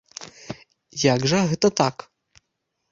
Як жа гэта так?